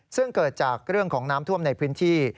ซึ่งเกิดจากเรื่องของน้ำท่วมในพื้นที่